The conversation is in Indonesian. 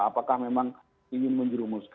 apakah memang ingin menjerumuskan